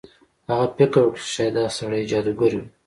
هغه فکر وکړ چې شاید دا سړی جادوګر وي.